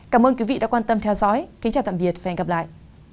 cảm ơn quý vị đã quan tâm theo dõi kính chào tạm biệt và hẹn gặp lại